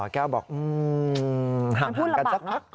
แก้วบอกห่างกันซะ